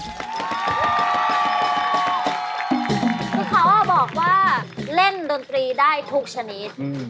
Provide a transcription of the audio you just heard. คือเขาบอกว่าเล่นดนตรีได้ทุกชนิด